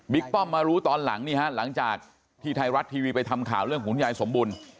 ป้อมมารู้ตอนหลังนี่ฮะหลังจากที่ไทยรัฐทีวีไปทำข่าวเรื่องของคุณยายสมบูรณ์